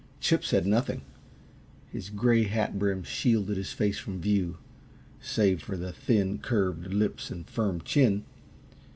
Chip said nothing. His gray hat brim shielded his face from view, save for the thin, curved lips and firm chin.